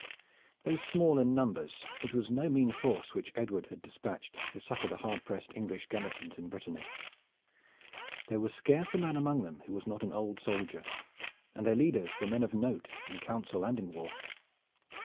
Though small in numbers, it was no mean force which Edward had dispatched to succor the hard pressed English garrisons in Brittany. There was scarce a man among them who was not an old soldier, and their leaders were men of note in council and in war.